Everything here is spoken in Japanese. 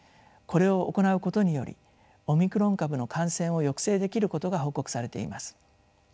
これを行うことによりオミクロン株の感染を抑制できることが報告されています。